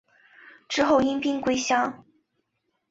之后因病归乡。